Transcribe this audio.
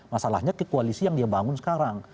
masalahnya ke koalisi yang dia bangun sekarang